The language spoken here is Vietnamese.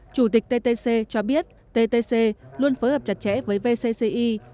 chủ tịch ttc cho biết ttc luôn phối hợp chặt chẽ với vcci